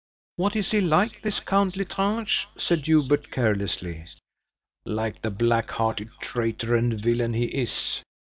"What is he like this Count L'Estrange?" said Hubert, carelessly. "Like the black hearted traitor and villain he is!"